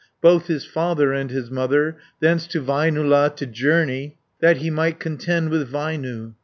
Both his father and his mother, Thence to Väinölä to journey, That he might contend with Väinö.